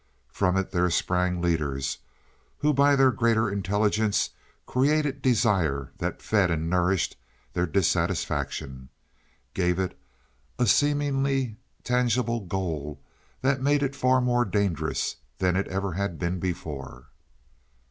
From it there sprang leaders, who by their greater intelligence created desires that fed and nourished their dissatisfaction gave it a seemingly tangible goal that made it far more dangerous than it ever had been before.